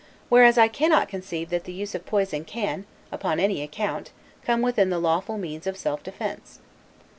whereas I cannot conceive that the use of poison can, upon any account, come within the lawful means of self defense.